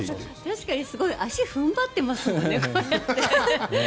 確かにすごい足を踏ん張ってますよね。